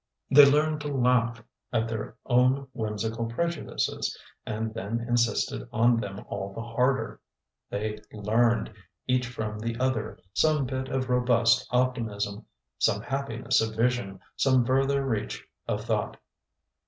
They learned to laugh at their own whimsical prejudices, and then insisted on them all the harder; they learned, each from the other, some bit of robust optimism, some happiness of vision, some further reach of thought.